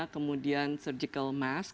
kemudian surgical mask